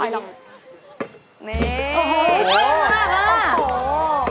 เท่มากครับ